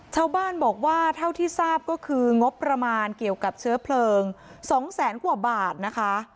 ชาวบ้านบอกว่าเท่าที่ทราบก็คืองบประมาณเกี่ยวกับเชื้อเพลิง๒แสนกว่าบาทนะคะ